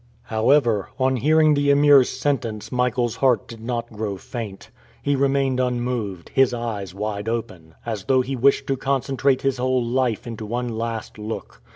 However, on hearing the Emir's sentence Michael's heart did not grow faint. He remained unmoved, his eyes wide open, as though he wished to concentrate his whole life into one last look.